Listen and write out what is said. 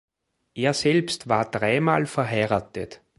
Er selbst war dreimal verheiratet.